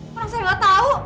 orang saya gak tau